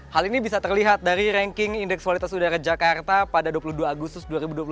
hal ini bisa terlihat dari ranking indeks kualitas udara jakarta pada dua puluh dua agustus dua ribu dua puluh satu